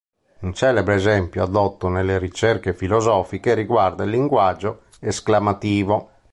Un celebre esempio addotto nelle "Ricerche filosofiche" riguarda il linguaggio esclamativo.